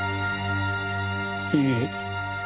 いいえ。